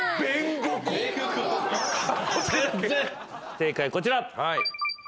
正解こちら。